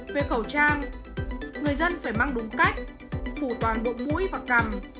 về khẩu trang người dân phải mang đúng cách phủ toàn bộ mũi và cầm